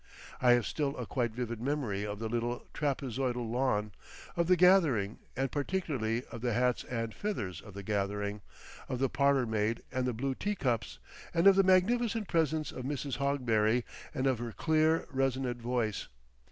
I have still a quite vivid memory of the little trapezoidal lawn, of the gathering, and particularly of the hats and feathers of the gathering, of the parlour maid and the blue tea cups, and of the magnificent presence of Mrs. Hogberry and of her clear, resonant voice.